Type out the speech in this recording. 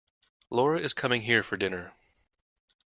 Lara is coming here for dinner.